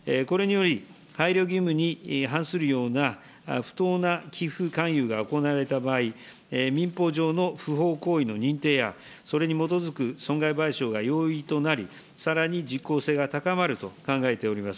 これにより、配慮義務に反するような不当な寄付勧誘が行われた場合、民法上の不法行為の認定や、それに基づく損害賠償が容易となり、さらに実効性が高まると考えております。